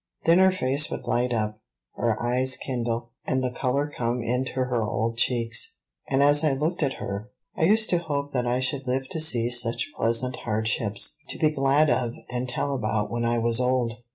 Then her face would light up, her eyes kindle, and the color come into her old cheeks; and as I looked at her, I used to hope that I should live to see such pleasant hardships, to be glad of and tell about when I was old.